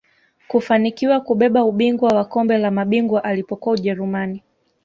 kufanikiwa kubeba ubingwa wa kombe la mabingwa alipokuwa ujerumani